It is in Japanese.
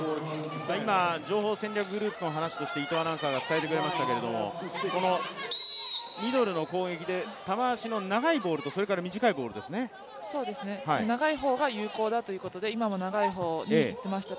今、情報戦略グループの話として伊藤隆佑アナウンサーが伝えてくれましたけどもミドルの攻撃で球足の長いボールと長い方が有効だということで、今も長い方に行きました。